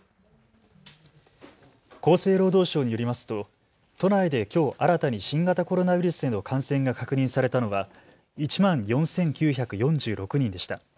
厚生労働省によりますと都内できょう新たに新型コロナウイルスへの感染が確認されたのは１万４９４６人でした。